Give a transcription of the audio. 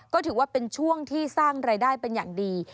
ก็ถือว่าเป็นช่วงที่สร้างรายได้เป็นอย่างดี